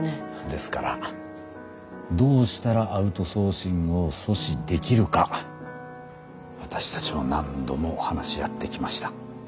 ですからどうしたらアウトソーシングを阻止できるか私たちも何度も話し合ってきました。